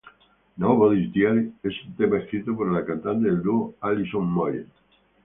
Nobody's Diary es un tema escrito por la cantante del dúo Alison Moyet.